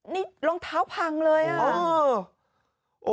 นี่รองเท้าพังเลยอ่ะ